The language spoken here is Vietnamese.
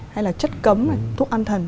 hay là chất cấm thuốc ăn thần